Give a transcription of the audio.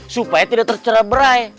supaya tidak tercerebrai